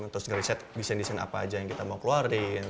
terus nge riset desain desain apa aja yang kita mau keluarin